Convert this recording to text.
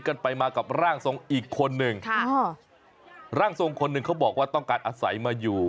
กันไปมากับร่างทรงอีกคนนึงค่ะร่างทรงคนหนึ่งเขาบอกว่าต้องการอาศัยมาอยู่